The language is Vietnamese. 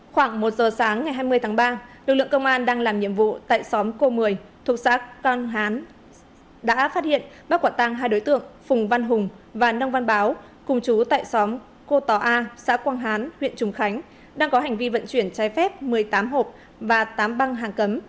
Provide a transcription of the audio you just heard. khoảng một giờ sáng ngày hai mươi tháng ba lực lượng công an đang làm nhiệm vụ tại xóm cô mười thuộc xã con hán đã phát hiện bắt quả tăng hai đối tượng phùng văn hùng và nông văn báo cùng chú tại xóm cô tò a xã quang hán huyện trùng khánh đang có hành vi vận chuyển trái phép một mươi tám hộp và tám băng hàng cấm